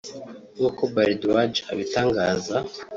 nk’uko Bhardwaj abitangaza